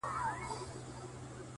پربت باندي يې سر واچوه،